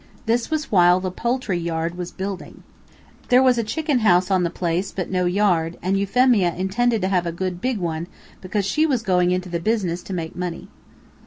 This was while the poultry yard was building. There was a chicken house on the place, but no yard, and Euphemia intended to have a good big one, because she was going into the business to make money.